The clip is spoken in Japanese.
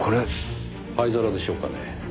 灰皿でしょうかね？